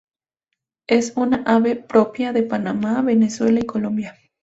Es una ave propia de Panamá, Venezuela y Colombia.